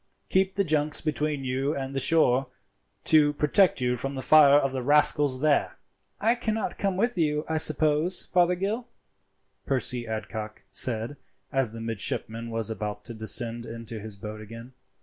Keep the junks between you and the shore, to protect you from the fire of the rascals there." "I cannot come with you, I suppose, Fothergill?" Percy Adcock said, as the midshipman was about to descend into his boat again.